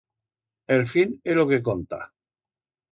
El fin é lo que conta.